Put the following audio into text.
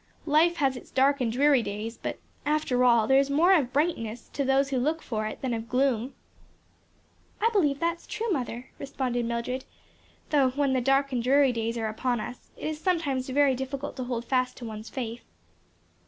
Life has its dark and dreary days, but after all there is more of brightness, to those who look for it, than of gloom." "I believe that is true, mother," responded Mildred, "though when the dark and dreary days are upon us, it is sometimes very difficult to hold fast to one's faith.